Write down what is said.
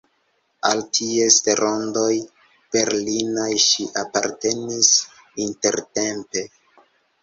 Al ties rondoj berlinaj ŝi apartenis intertempe.